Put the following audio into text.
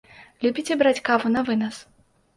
Любіце браць каву навынас?